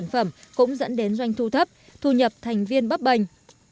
các sản phẩm cũng dẫn đến doanh thu thấp thu nhập thành viên bắp bành